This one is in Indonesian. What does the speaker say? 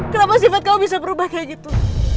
kenapa sifat kamu bisa berubah kayak gitu